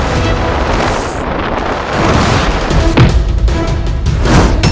tidak merasakan hidupku